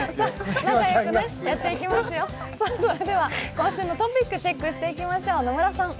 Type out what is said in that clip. それでは今週のトピック、チェックしていきましょう。